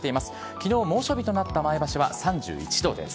きのう猛暑日となった前橋は３１度です。